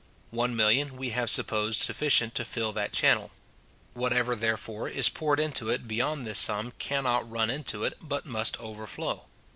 One million we have supposed sufficient to fill that channel. Whatever, therefore, is poured into it beyond this sum, cannot run into it, but must overflow.